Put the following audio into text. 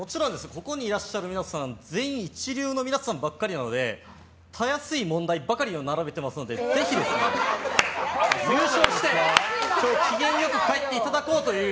ここにいらっしゃる皆さんは全員、一流の皆さんばかりなのでたやすい問題ばかりを並べていますのでぜひ優勝して機嫌よく帰っていただこうという